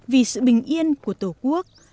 vì sự bình yên của tổ quốc